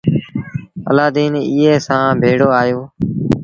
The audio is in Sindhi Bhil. الآدين ايئي سآݩ ڀيڙو آيو۔